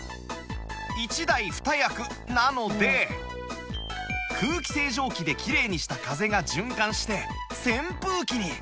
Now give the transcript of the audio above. １台２役なので空気清浄機できれいにした風が循環して扇風機に